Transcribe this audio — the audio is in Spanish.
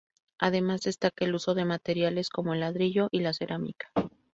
Además, destaca el uso de materiales como el ladrillo y la cerámica.